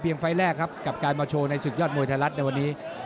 เพียงไฟล์แรกครับกับการมาโชว์ในศึกยอดมวยธรรมดาวันนี้